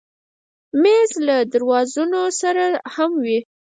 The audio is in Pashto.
مېز له درازونو سره هم وي.